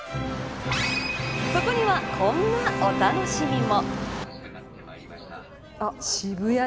そこにはこんなお楽しみも。